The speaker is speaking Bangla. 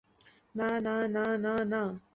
না, না, না, না!